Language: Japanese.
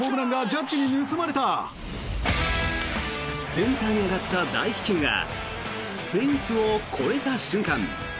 センターへ上がった大飛球がフェンスを越えた瞬間